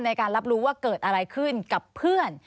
ในการรับรู้ว่าเกิดอะไรขึ้นกับเพื่อน